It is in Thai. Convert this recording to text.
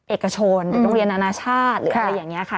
เอกชนโรงเรียนนานาชาติหรืออะไรอย่างเงี้ยค่ะ